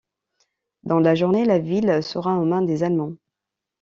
Dans la journée, la ville sera aux mains des Allemands.